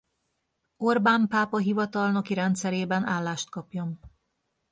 Orbán pápa hivatalnoki rendszerében állást kapjon.